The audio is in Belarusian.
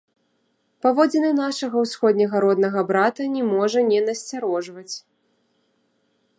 Паводзіны нашага ўсходняга роднага брата не можа не насцярожваць.